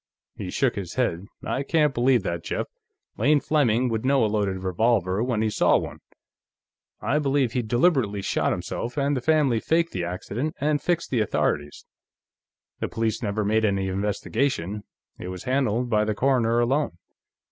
He shook his head. "I can't believe that, Jeff. Lane Fleming would know a loaded revolver when he saw one. I believe he deliberately shot himself, and the family faked the accident and fixed the authorities. The police never made any investigation; it was handled by the coroner alone.